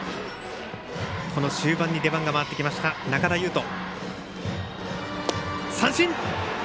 終盤に出番が回ってきました、中田有飛。